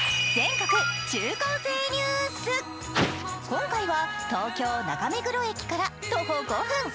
今回は東京・中目黒駅から徒歩５分。